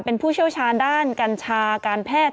เป็นผู้เชี่ยวชาญด้านกัญชาการแพทย์